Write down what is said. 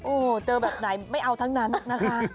โอ้โหเจอแบบไหนไม่เอาทั้งนั้นนะคะ